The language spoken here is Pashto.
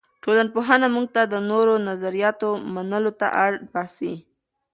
ټولنپوهنه موږ ته د نورو نظریاتو منلو ته اړ باسي.